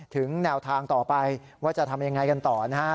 ถึงแนวทางต่อไปว่าจะทำยังไงกันต่อนะฮะ